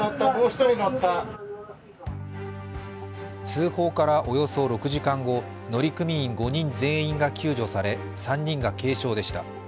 通報からおよそ６時間後、乗組員５人全員が救助され３人が軽傷でした。